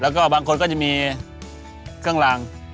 แล้วก็บางคนก็จะมีเครื่องราง